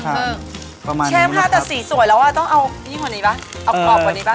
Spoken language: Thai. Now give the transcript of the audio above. แช่ผ้าแต่สีสวยแล้วอ่ะต้องเอากรอบกว่านี้ป่ะ